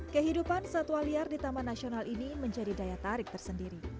kehidupan satwa liar di taman nasional ini menjadi daya tarik tersendiri